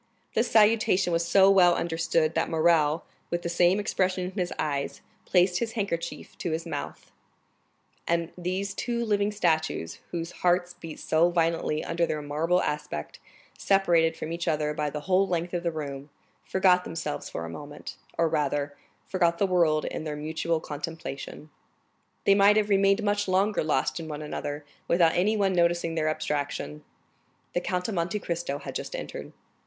The salutation was so well understood that Morrel, with the same expression in his eyes, placed his handkerchief to his mouth; and these two living statues, whose hearts beat so violently under their marble aspect, separated from each other by the whole length of the room, forgot themselves for a moment, or rather forgot the world in their mutual contemplation. They might have remained much longer lost in one another, without anyone noticing their abstraction. The Count of Monte Cristo had just entered.